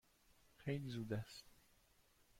خیلی زود است.